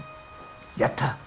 やった！